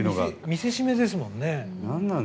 見せしめですもんね。